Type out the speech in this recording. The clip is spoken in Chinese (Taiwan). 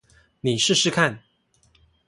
你試試看